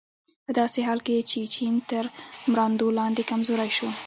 په داسې حال کې چې چین تر مراندو لاندې کمزوری شو.